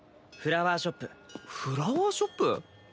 フラワーショップフラワーショップ？